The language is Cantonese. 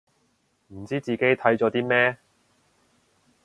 唔知自己睇咗啲咩